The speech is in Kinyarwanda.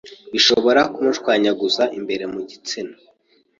bishobora kumushwanyaguza imbere mu gitsina